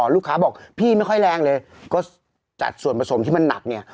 ลูกค้าบอกพี่ไม่ค่อยแรงเลยก็จัดส่วนผสมที่มันหนักเนี่ย